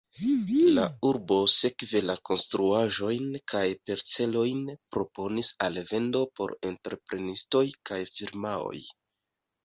La urbo sekve la konstruaĵojn kaj parcelojn proponis al vendo por entreprenistoj kaj firmaoj.